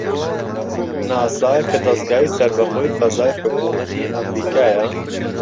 ناسا کە دەزگای سەربەخۆی فەزای حکوومەتی ئەمریکایە